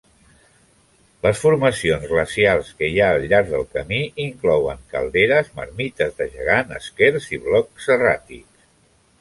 Les formacions glacials que hi ha al llarg del camí inclouen calderes, marmites de gegant, eskers i blocs erràtics.